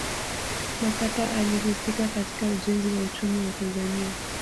makapa alihusika katika ujenzi wa uchumi wa tanzania